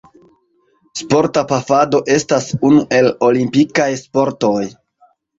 Sporta pafado estas unu el olimpikaj sportoj.